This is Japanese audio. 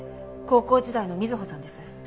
高校時代の瑞穂さんです。